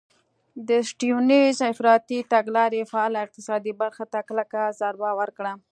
د سټیونز افراطي تګلارې فعاله اقتصادي برخه ته کلکه ضربه ورکړه.